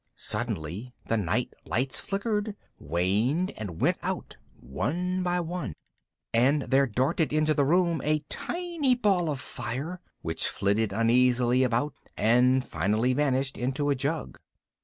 Suddenly the night lights flickered, waned, and went out one by one, and there darted into the room a tiny ball of fire, which flitted uneasily about and finally vanished into a jug.